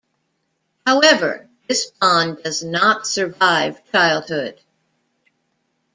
However, this bond does not survive childhood.